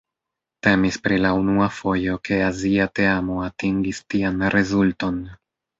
Temis pri la unua fojo ke azia teamo atingis tian rezulton.